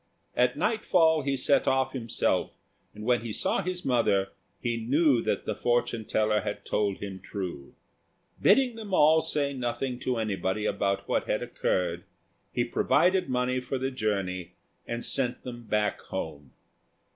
At night fall he set off himself, and when he saw his mother he knew that the fortune teller had told him true. Bidding them all say nothing to anybody about what had occurred, he provided money for the journey, and sent them back home.